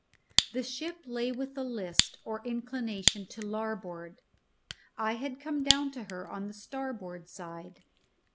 The ship lay with a list or inclination to larboard. I had come down to her on her starboard side.